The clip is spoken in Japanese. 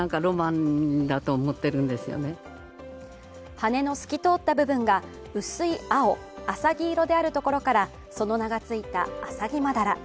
羽の透き通った部分が薄い青、あさぎ色であるところからその名がついたアサギマダラ。